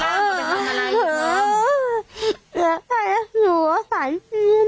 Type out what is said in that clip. อยากให้หนัวสายเทียน